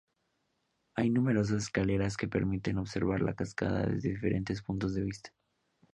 Hay numerosas escaleras que permiten observar la cascada desde diferentes puntos de vista.